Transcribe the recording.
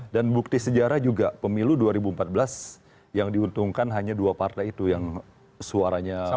dan bukti sejarah juga pemilu dua ribu empat belas yang diuntungkan hanya dua partai itu yang suaranya luar biasa